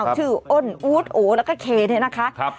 อ้าวชื่ออ้นอูดโอแล้วก็เคนะคะครับ